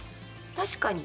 確かに。